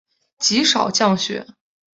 极少降雪。